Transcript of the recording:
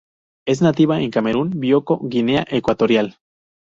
Es nativa de Camerún, Bioko y Guinea Ecuatorial.